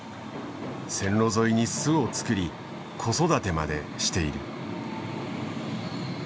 線路沿いに巣をつくり子育てまでしている。